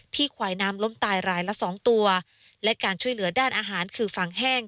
ควายน้ำล้มตายรายละสองตัวและการช่วยเหลือด้านอาหารคือฟางแห้ง